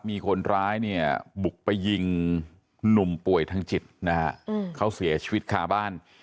มีคนร้ายเนี่ยบุกไปยิงหนุ่มป่วยทางจิตนะฮะเขาเสียชีวิตคาบ้าน